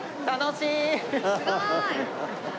すごーい！